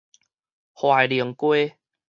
懷寧街